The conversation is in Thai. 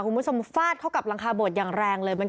คุณผู้ชมฟาดเข้ากับหลังคาโบดอย่างแรงเลย